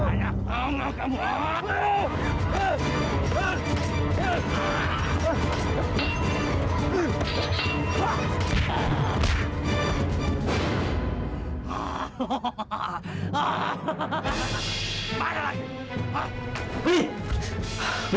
hanya kau menganggapmu